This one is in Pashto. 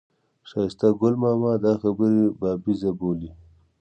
ښایسته ګل ماما دا خبرې بابیزه بولي.